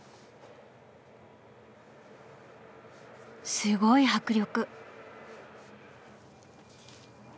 すごい迫力。